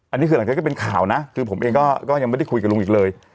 อันนี้คือหลังจากก็เป็นข่าวนะคือผมเองก็ยังไม่ได้คุยกับลุงอีกเลย